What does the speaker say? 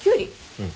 うん。